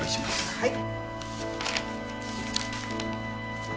はい。